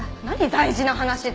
大事な話って。